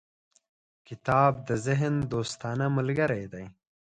• کتاب د ذهن دوستانه ملګری دی.